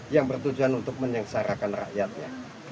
yang bertujuan untuk menyengsarakan rakyatnya